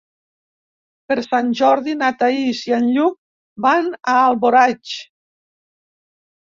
Per Sant Jordi na Thaís i en Lluc van a Alboraig.